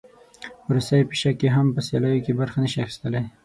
روسۍ پیشکې هم په سیالیو کې برخه نه شي اخیستلی.